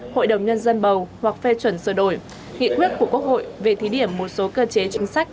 hội đồng nhân dân bầu hoặc phê chuẩn sửa đổi nghị quyết của quốc hội về thí điểm một số cơ chế chính sách